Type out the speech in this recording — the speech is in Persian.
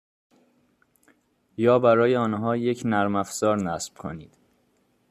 یا برای آنها یک نرم افزار نصب کنید.